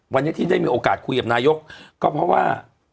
วันนี้ที่ได้มีโอกาสคุยกับนายกก็เพราะว่า